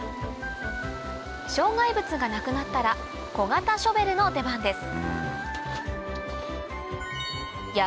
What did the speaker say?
障害物がなくなったら小型ショベルの出番です